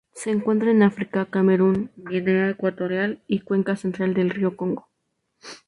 Se encuentran en África: Camerún, Guinea Ecuatorial y cuenca central del río Congo.